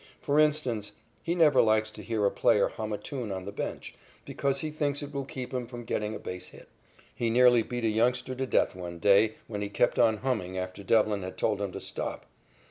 For instance, he never likes to hear a player hum a tune on the bench, because he thinks it will keep him from getting a base hit. He nearly beat a youngster to death one day when he kept on humming after Devlin had told him to stop.